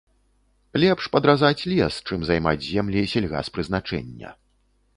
Лепш падразаць лес, чым займаць землі сельгаспрызначэння.